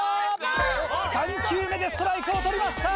３球目でストライクを取りました！